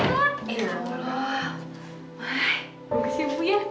wah bagus ya bu ya